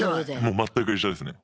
もう全く一緒ですね。